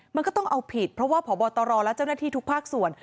มันก็ต้องเอาผิดเพราะว่าพบตรและเจ้าหน้าที่ทุกภาคส่วน